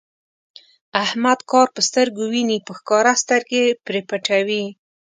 احمد کار په سترګو ویني، په ښکاره سترګې پرې پټوي.